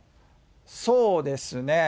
そうですね。